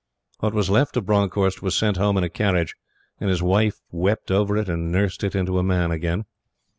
What was left of Bronckhorst was sent home in a carriage; and his wife wept over it and nursed it into a man again.